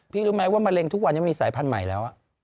รู้ไหมว่ามะเร็งทุกวันนี้มีสายพันธุ์ใหม่แล้ว